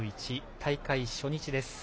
大会初日です。